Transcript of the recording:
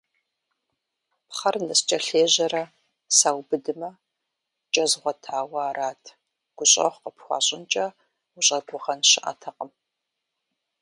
Пхъэр ныскӀэлъежьэрэ саубыдмэ, кӀэ згъуэтауэ арат, гущӀэгъу къыпхуащӀынкӀэ ущӀэгугъэн щыӀэтэкъым.